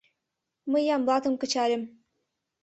Мый Ямблатым кычальым.